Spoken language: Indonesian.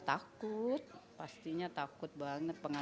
agar dia bisa berjaga